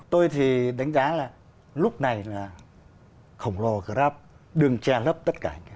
tôi thì đánh giá là lúc này là khổng lồ grab đừng che lấp tất cả